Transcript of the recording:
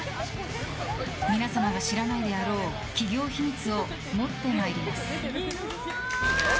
皆様が知らないであろう企業秘密を持ってまいります！